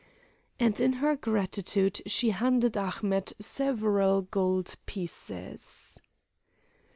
And in her gratitude she handed Ahmet several gold pieces.